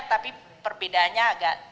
tapi perbedaannya agak